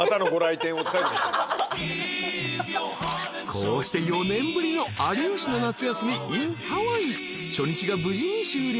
［こうして４年ぶりの『有吉の夏休みｉｎＨａｗａｉｉ』］［初日が無事に終了］